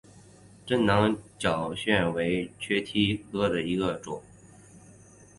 滇南角蕨为蹄盖蕨科角蕨属下的一个种。